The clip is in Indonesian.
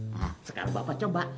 hah sekarang bapak coba